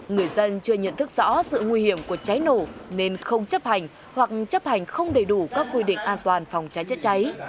người dân chưa nhận thức rõ sự nguy hiểm của cháy nổ nên không chấp hành hoặc chấp hành không đầy đủ các quy định an toàn phòng cháy chữa cháy